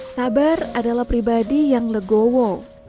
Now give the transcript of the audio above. sabar adalah pribadi yang legowo